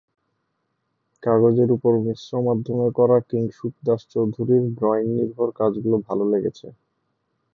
কাগজের ওপর মিশ্র মাধ্যমে করা কিংশুক দাশ চৌধুরীর ড্রয়িংনির্ভর কাজগুলো ভালো লেগেছে।